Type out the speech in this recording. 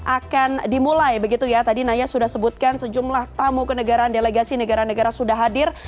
akan dimulai begitu ya tadi sembilan belas sudah sebutkan sejumlah tamu ke negara negara delegasi negara negara sudah hadir